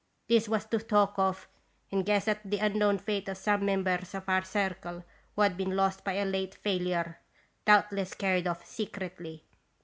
This was to talk of and guess at the unknown fate of some members of our Circle who had been lost by the late failure, doubtless carried off secretly.